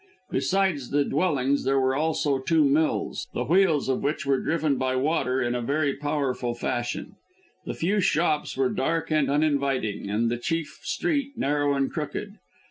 Besides the dwellings there were also two mills, the wheels of which were driven by water in a very powerful fashion. The few shops were dark and uninviting, and the chief street narrow and crooked.